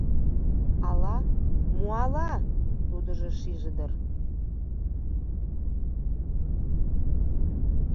— Ала— Мо ала? — тудыжо шиже дыр.